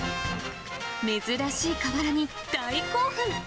珍しい瓦に大興奮。